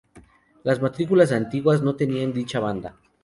Las matrículas antiguas no tenían dicha banda.